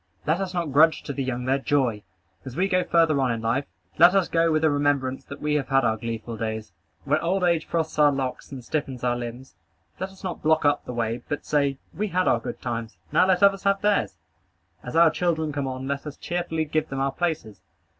Let us not grudge to the young their joy. As we go further on in life, let us go with the remembrance that we have had our gleeful days. When old age frosts our locks, and stiffens our limbs, let us not block up the way, but say, "We had our good times: now let others have theirs." As our children come on, let us cheerfully give them our places.